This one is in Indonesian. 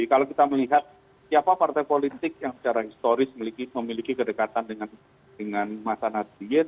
kalau kita melihat siapa partai politik yang secara historis memiliki kedekatan dengan masa nadiyin